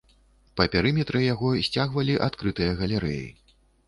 Па перыметры яго сцягвалі адкрытыя галерэі.